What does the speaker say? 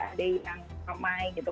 ada yang main gitu